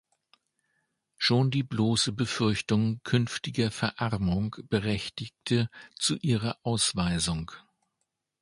Schon die bloße Befürchtung künftiger Verarmung berechtigte zu ihrer Ausweisung.